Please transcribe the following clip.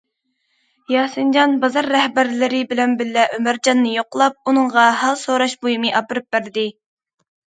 ياسىنجان بازار رەھبەرلىرى بىلەن بىللە ئۆمەرجاننى يوقلاپ، ئۇنىڭغا ھال سوراش بۇيۇمى ئاپىرىپ بەردى.